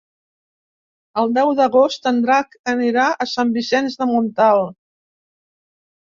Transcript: El deu d'agost en Drac anirà a Sant Vicenç de Montalt.